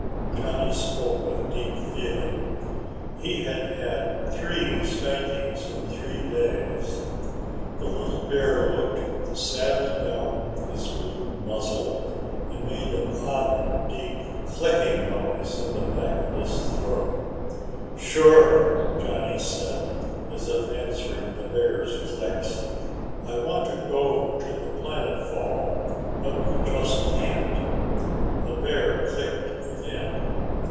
Johnny spoke with deep feeling. He had had three spankings in three days. The little bear looked sadly down his blue muzzle and made an odd deep clicking noise in the back of his throat. "Sure," Johnny said, as if answering the bear's clicks, "I want to go to the planet fall, but we just can't." The bear clicked again.